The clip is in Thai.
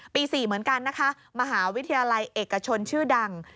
ปี๔เหมือนกันนะคะมหาวิทยาลัยเอกชนชื่อดัง